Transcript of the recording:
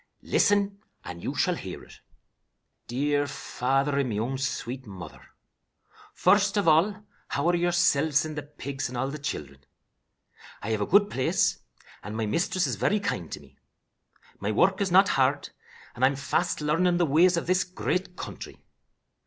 "Listen, and you shall hear it. "'DEAR FATHER AND MY OWN SWEET MOTHER: First of all, how are yoursilves and the pigs and all the children? I have a good place, and my mistress is very kind to me. My work is not hard, and I am fast learning the ways of this great country.